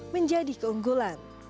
dan juga di keunggulan